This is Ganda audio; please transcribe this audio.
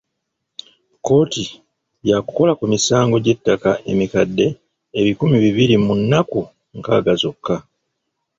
Kkooti yaakukola ku misango gy’ettaka emikadde ebikumi bibiri mu nnaku nkaaga zokka.